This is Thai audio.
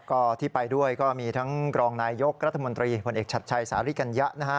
ก็ที่ไปด้วยก็มีทั้งรองนายยกรัฐมนตรีผลเอกชัดชัยสาริกัญญะนะฮะ